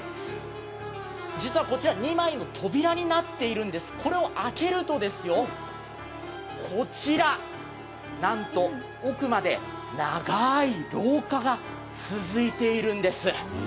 実は２枚の扉になっているんです、これを開けると、こちら、なんと奥まで長い廊下が続いているんです。